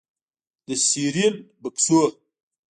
د سیریل بکسونو